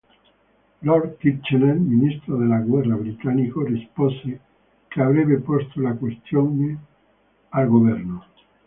Lord Kitchener, ministro della guerra britannico, rispose che avrebbe posto la questione al governo.